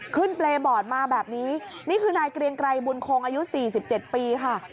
ขึ้นเปรย์บอร์ดมาแบบนี้นี่คือนายเกรียงไกรบุญโครงอายุสี่สิบเจ็ดปีค่ะ